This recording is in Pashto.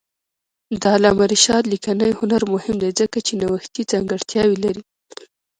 د علامه رشاد لیکنی هنر مهم دی ځکه چې نوښتي ځانګړتیاوې لري.